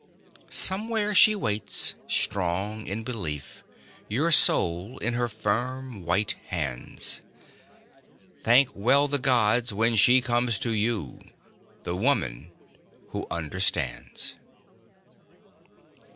_Somewhere she waits, strong in belief, your soul in her firm, white hands: Thank well the gods, when she comes to you the Woman Who Understands!